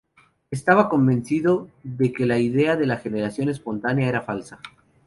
Estaba convencido de que la idea de la generación espontánea era falsa.